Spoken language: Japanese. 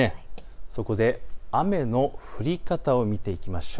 そこで雨の降り方を見ていきましょう。